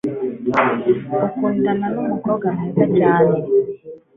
ukundana numukobwa mwiza cyane